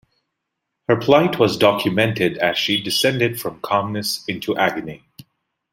Her plight was documented as she descended from calmness into agony.